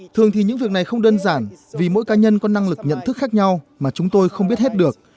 thường thì những việc này không đơn giản vì mỗi cá nhân có năng lực nhận thức khác nhau mà chúng tôi không biết hết được